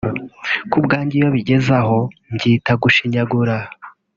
ku bwanjye iyo bigeze aho mbyita gushinyagura